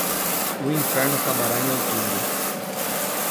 O inferno acabará em outubro